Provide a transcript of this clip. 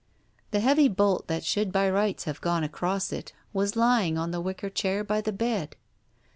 The heavy bolt that should by rights have gone across it, was lying on the wicker chair by the bed.